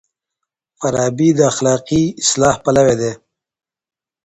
فارابي د اخلاقي اصلاح پلوی دی.